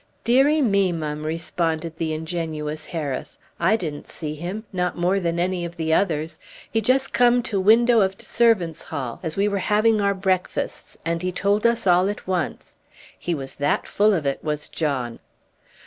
"Deary me, m'm," responded the ingenuous Harris, "I didn't see him, not more than any of the others; he just comed to t' window of t' servants' hall, as we were having our breakfasts, and he told us all at once. He was that full of it, was John!"